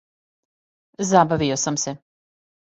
Забавио сам се.